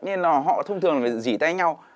nên họ thông thường phải dì tay nhau